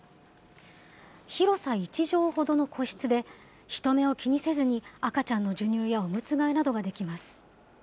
広さ１畳ほどの個室で、人目を気にせずに赤ちゃんの授乳やおむつ替えなどができます。